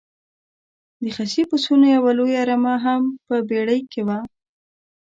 د خسي پسونو یوه لویه رمه هم په بېړۍ کې وه.